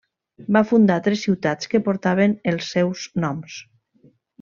Van fundar tres ciutats que portaven els seus noms.